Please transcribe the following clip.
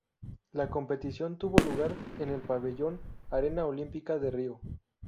La competición tuvo lugar en el pabellón Arena Olímpica de Río.